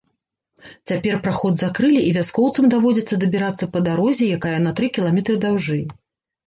Цяпер праход закрылі, і вяскоўцам даводзіцца дабірацца па дарозе, якая на тры кіламетры даўжэй.